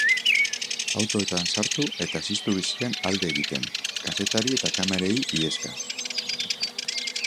Autoetan sartu eta ziztu bizian alde egiten, kazetari eta kamerei iheska.